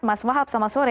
mas wahab selamat sore